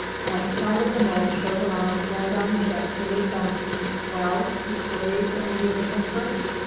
At sight of the men Chauvelin ran down the steps to meet them. "Well?" he queried in an eager whisper.